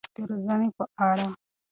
د روزنې په اړه.